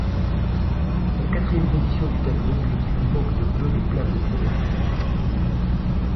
En quatrième position du tableau, l'équipe manque de peu les places de promotion.